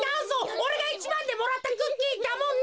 おれがいちばんでもらったクッキーだもんね。